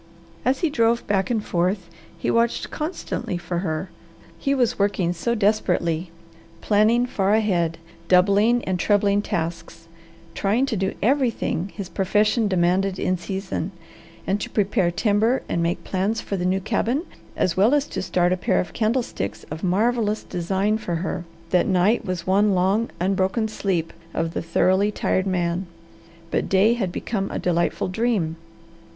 As he drove back and forth he watched constantly for her. He was working so desperately, planning far ahead, doubling and trebling tasks, trying to do everything his profession demanded in season, and to prepare timber and make plans for the new cabin, as well as to start a pair of candlesticks of marvellous design for her, that night was one long, unbroken sleep of the thoroughly tired man, but day had become a delightful dream.